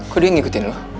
kok dia ngikutin lo